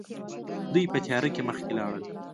دوی په تياره کې مخکې لاړل.